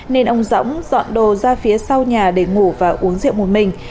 nên ông dõng dọn đồ ra phía sau nhà để ngủ và uống rượu một mình